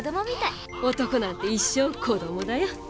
男なんて一生子供だよ。